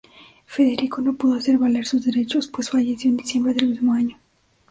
Federico no pudo hacer valer sus derechos, pues falleció en diciembre del mismo año.